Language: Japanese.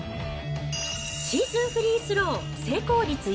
シーズンフリースロー成功率